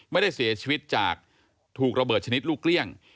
ไม่ได้เสียชีวิตจากถูกระเบิดชนิดลูกเกลี้ยง